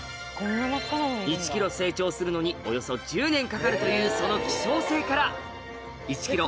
１ｋｇ成長するのにおよそ１０年かかるというその希少性から１ｋｇ